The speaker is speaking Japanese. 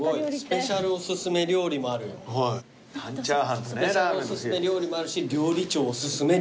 スペシャルおすすめ料理もあるし料理長おすすめ料理。